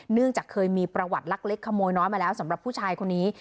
เนื่องจากเคยมีประวัติลักเล็กขโมยน้อยมาแล้วสำหรับผู้ชายคนนี้